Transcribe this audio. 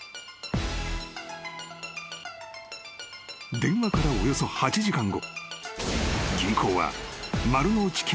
［電話からおよそ８時間後］